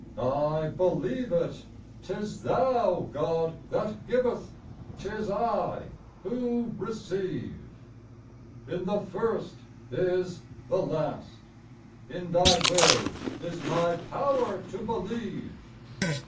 *'I believe it ! 'Tis Thou, God, that giveth, 'tis 1 who receive ; In the first is the last, in Thy will is my power to believe